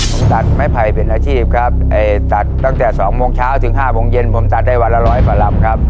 ผมตัดไม้ไผ่เป็นอาชีพครับตัดตั้งแต่๒โมงเช้าถึง๕โมงเย็นผมตัดได้วันละร้อยกว่าลำครับ